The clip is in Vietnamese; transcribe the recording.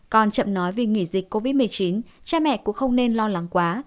con chậm nói vì nghỉ dịch covid một mươi chín cha mẹ cũng không nên lo lắng quá